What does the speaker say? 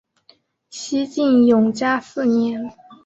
西晋永嘉四年。